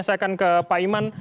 saya akan ke pak iman